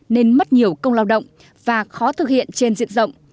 nên mất nhiều công lao động và khó thực hiện trên diện rộng